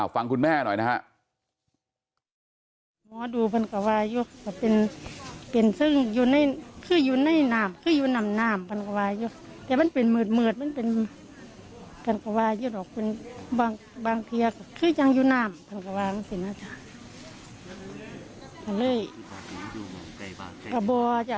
ฟังคุณแม่หน่อยนะฮะ